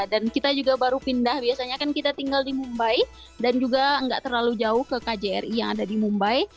dan kita juga baru pindah biasanya kan kita tinggal di mumbai dan juga nggak terlalu jauh ke kjri yang ada di mumbai